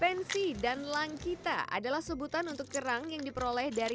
pensi dan langkita adalah sebutan untuk kerang yang diperoleh dari